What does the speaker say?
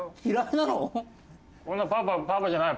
こんなパパパパじゃない。